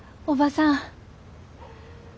おばさん。